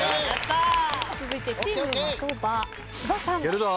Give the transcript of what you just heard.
続いてチーム的場芝さん。